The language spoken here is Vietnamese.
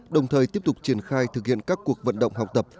đồng thời tiếp tục triển khai thực hiện các cuộc vận động học tập